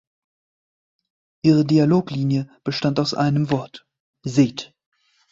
Ihre Dialoglinie bestand aus einem Wort: Seht!